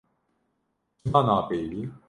Çima napeyivî.